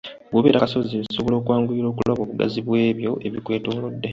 Bw'obeera ku kasozi, osobola okwanguyirwa okulaba obugazi bwe byo ebikwetoolodde.